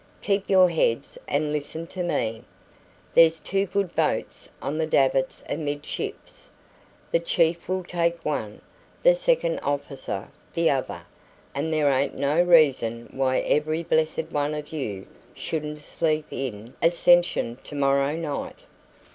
Keep your heads and listen to me. There's two good boats on the davits amidships; the chief will take one, the second officer the other; and there ain't no reason why every blessed one of you shouldn't sleep in Ascension to morrow night.